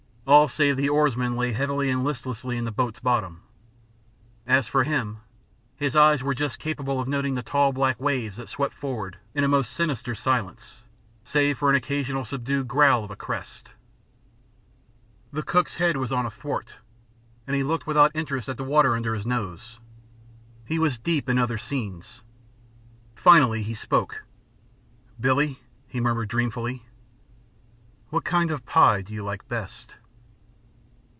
All save the oarsman lay heavily and listlessly in the boat's bottom. As for him, his eyes were just capable of noting the tall black waves that swept forward in a most sinister silence, save for an occasional subdued growl of a crest. The cook's head was on a thwart, and he looked without interest at the water under his nose. He was deep in other scenes. Finally he spoke. "Billie," he murmured, dreamfully, "what kind of pie do you like best?"